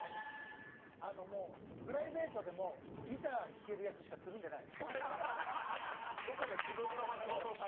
プライベートでもギター弾けるやつしかつるんでない。